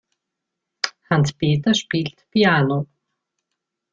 Hans-Peter spielt Piano.